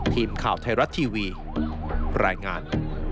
ทีมข่าวไทยรัฐทีวีรายงาน